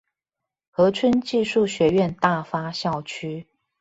和春技術學院大發校區